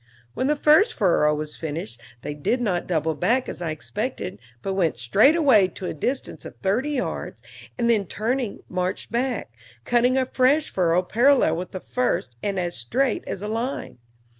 When the first furrow was finished, they did not double back, as I expected, but went straight away to a distance of thirty yards, and then, turning, marched back, cutting a fresh furrow parallel with the first, and as straight as a line.